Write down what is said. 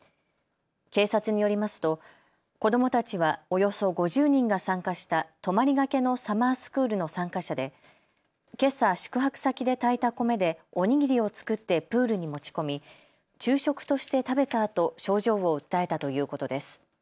警察によりますと子どもたちはおよそ５０人が参加した泊まりがけのサマースクールの参加者でけさ宿泊先で炊いた米でお握りを作ってプールに持ち込み昼食として食べたあと症状を訴えたということです。